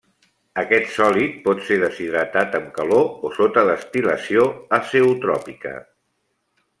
Aquest sòlid pot ser deshidratat amb calor o sota destil·lació azeotròpica.